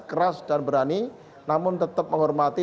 keras dan berani namun tetap menghormati